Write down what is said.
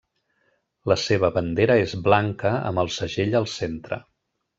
La seva bandera és blanca amb el segell al centre.